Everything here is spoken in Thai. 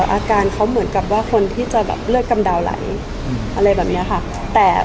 อาการเขาเหมือนกับว่าคนที่จะแบบเลือดกำดาวไหลอะไรแบบนี้ค่ะ